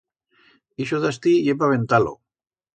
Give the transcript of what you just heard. Ixo d'astí ye pa aventar-lo.